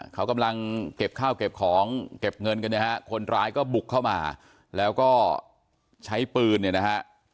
เขากำลังเก็บข้าวเก็บของเก็บเงินกันเนี่ยฮะคนร้ายก็บุกเข้ามาแล้วก็ใช้ปืนเนี่ยนะฮะ